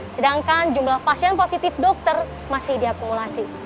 sedangkan jumlah pasien positif dokter masih diakumulasi